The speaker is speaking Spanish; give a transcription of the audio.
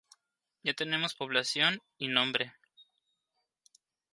Ya tenemos población y nombre.